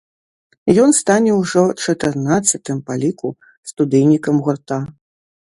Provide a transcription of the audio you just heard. Ён стане ўжо чатырнаццатым па ліку студыйнікам гурта.